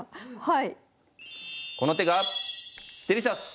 はい。